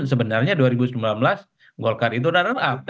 sebenarnya dua ribu sembilan belas golkar itu runner up